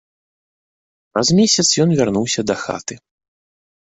Праз месяц ён вярнуўся дахаты.